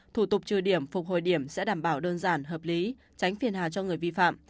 thủ tục trừ điểm phục hồi điểm sẽ đảm bảo đơn giản hợp lý tránh phiền hà cho người vi phạm